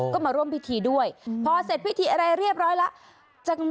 ก็มาร่วมพิธีด้วยพอเสร็จพิธีอะไรเรียบร้อยแล้ว